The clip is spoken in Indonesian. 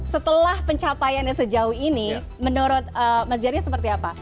setelah pencapaiannya sejauh ini menurut mas jary seperti apa